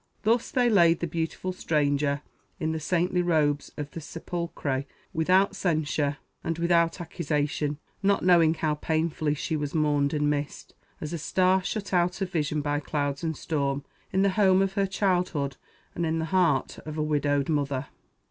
Thus they laid the beautiful stranger in the saintly robes of the sepulchre without censure and without accusation, not knowing how painfully she was mourned and missed, as a star shut out of vision by clouds and storm, in the home of her childhood and in the heart of a widowed mother.